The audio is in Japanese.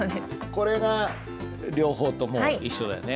これが両方とも一緒だよね。